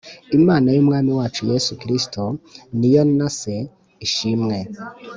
Imana y'Umwami wacu Yesu Kristo, ni yo na Se, ishimwe,